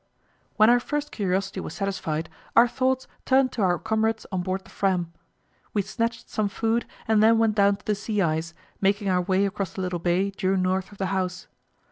When our first curiosity was satisfied, our thoughts turned to our comrades on board the Fram. We snatched some food, and then went down to the sea ice, making our way across the little bay due north of the house.